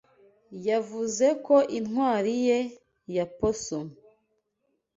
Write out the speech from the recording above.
Yavuze ko intwari ye ya posumu